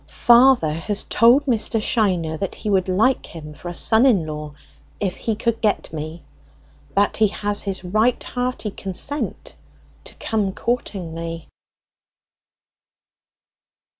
Father has told Mr. Shiner that he would like him for a son in law, if he could get me; that he has his right hearty consent to come courting me!"